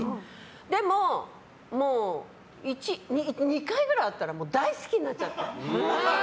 でも、２回くらい会ったら大好きになっちゃって。